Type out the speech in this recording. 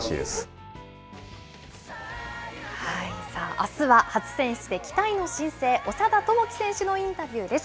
あすは初選出で期待の新星、長田智希選手のインタビューです。